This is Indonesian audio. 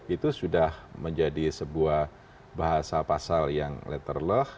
itu sudah menjadi sebuah bahasa pasal yang letter leh